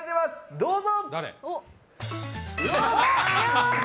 どうぞ。